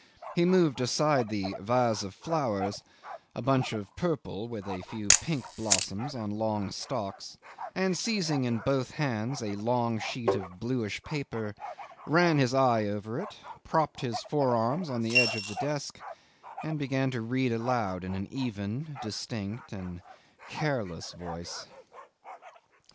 He moved aside the vase of flowers a bunch of purple with a few pink blossoms on long stalks and seizing in both hands a long sheet of bluish paper, ran his eye over it, propped his forearms on the edge of the desk, and began to read aloud in an even, distinct, and careless voice.